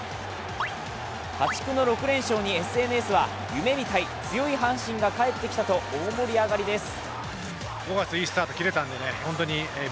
破竹の６連勝にＳＮＳは夢みたい、強い阪神が帰ってきたと大盛り上がりです。